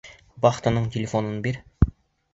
Вахтаның телефонын бир.